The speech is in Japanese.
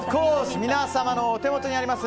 皆様のお手元にあります